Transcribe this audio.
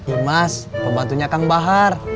imas pembantunya kang bahar